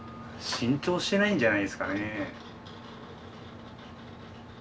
浸透してないんじゃないですかね。